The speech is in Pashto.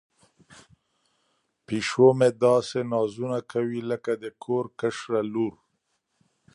پیشو مې داسې نازونه کوي لکه د کور کشره لور.